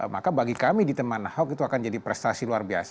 maka bagi kami di teman ahok itu akan jadi prestasi luar biasa